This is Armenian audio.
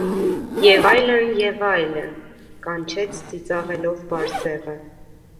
- Եվ այլն, և այլն,- կանչեց ծիծաղելով Բարսեղը: